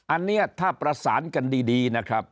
อันเนี้ยถ้าประสานกันดี